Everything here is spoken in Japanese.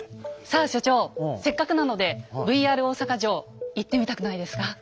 さあ所長せっかくなのでＶＲ大坂城行ってみたくないですか？